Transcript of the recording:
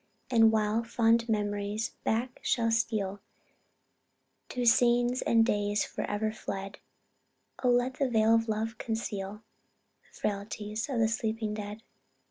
And while fond memory back shall steal, To scenes and days forever fled; Oh, let the veil of love conceal The frailties of the sleeping dead.